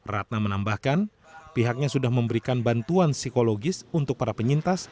ratna menambahkan pihaknya sudah memberikan bantuan psikologis untuk para penyintas